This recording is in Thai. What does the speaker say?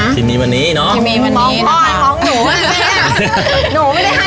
ที่มีวันนี้เนอะที่มีวันนี้มองพ่อมองหนูหนูไม่ได้ให้